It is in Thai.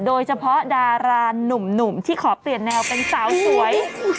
โดยเฉพาะดารานุ่มที่ขอเปลี่ยนแนวเป็นสาวสวย